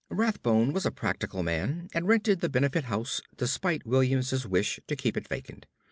Rathbone was a practical man, and rented the Benefit Street house despite William's wish to keep it vacant.